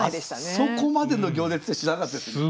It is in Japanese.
あそこまでの行列知らなかったですよね。